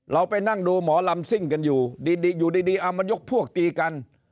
ไปนั่งดูหมอลำซิ่งกันอยู่ดีอยู่ดีเอามายกพวกตีกัน